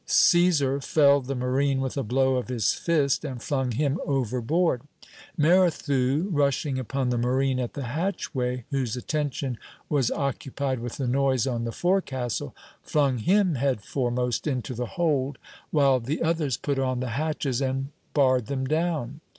Cæsar felled the marine with a blow of his fist, and flung him overboard; Merrithew, rushing upon the marine at the hatchway, whose attention was occupied with the noise on the forecastle, flung him head foremost into the hold, while the others put on the hatches and barred them down.